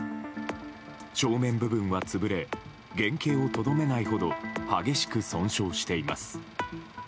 正面部分は潰れ原形をとどめないほど激しく損傷しています。